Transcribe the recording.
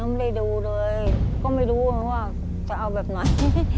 ไม่ได้ดูเลยก็ไม่รู้ว่าจะเอาแบบไหน